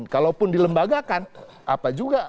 kalaupun dilembagakan apa juga